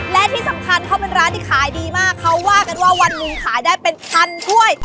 และที่สำคัญเขาเป็นร้านที่ขายดีมากเขาว่ากันว่าวันหนึ่งขายได้เป็นพันถ้วย